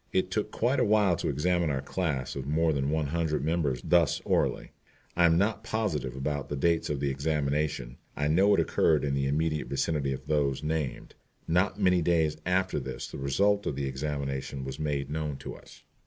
It took quite a while to examine our class of more than one hundred members thus orally. I am not positive about the dates of the examination. I know it occurred in the immediate vicinity of those named. Not many days after this the result of the examination was made known to us.